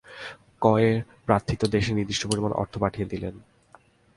ক এর প্রার্থিত দেশে নির্দিষ্ট পরিমাণ অর্থ পাঠিয়ে দিলেন।